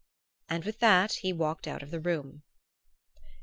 And with that he walked out of the room.